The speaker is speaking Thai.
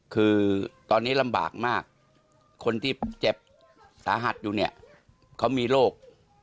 คือตอนนี้ลำบากมากคนที่เจ็บสาหัสอยู่เนี่ยเขามีโรค